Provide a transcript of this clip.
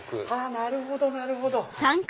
なるほどなるほど！